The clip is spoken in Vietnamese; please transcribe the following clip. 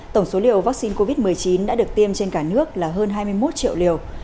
tổng số liều vaccine covid một mươi chín đã được tiêm trên cả nước là hơn hai mươi một triệu liều